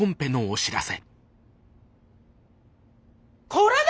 これだ！